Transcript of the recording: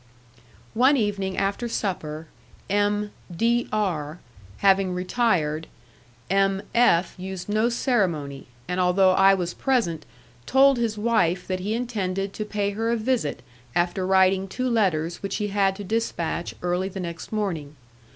One evening after supper, M. D R having retired, M. F used no ceremony, and, although I was present, told his wife that he intended to pay her a visit after writing two letters which he had to dispatch early the next morning.